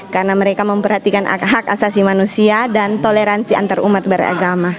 karena mereka memperhatikan hak hak asasi manusia dan toleransi antar umat beragama